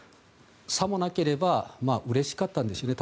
さもなければうれしかったんでしょうね。